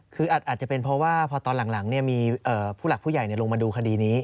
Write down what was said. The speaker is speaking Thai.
คืออาจจะเป็นเพราะว่าพอตอนหลังมีผู้หลักผู้ใหญ่ลงมาดูคดีนี้